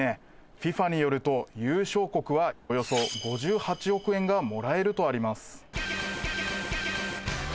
ＦＩＦＡによると、優勝国はおよそ５８億円がもらえるとあります。